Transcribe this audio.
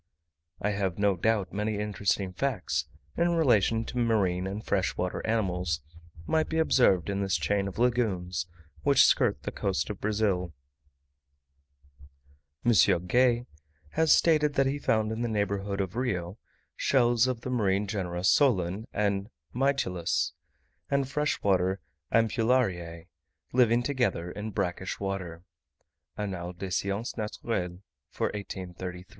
I have no doubt many interesting facts, in relation to marine and fresh water animals, might be observed in this chain of lagoons, which skirt the coast of Brazil. M. Gay has stated that he found in the neighbourhood of Rio, shells of the marine genera solen and mytilus, and fresh water ampullariae, living together in brackish water.